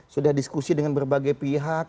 sudah diskusi dengan berbagai pihak